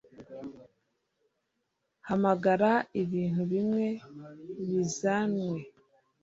hamagara ibintu bimwe bizanwe